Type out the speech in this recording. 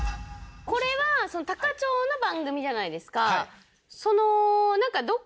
これは多可町の番組じゃないですか。